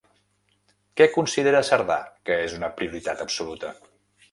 Què considera Cerdà que és una prioritat absoluta?